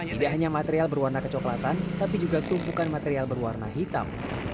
tidak hanya material berwarna kecoklatan tapi juga tumpukan material berwarna hitam